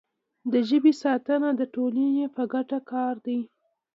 د ژبې ساتنه د ټولنې په ګټه کار دی.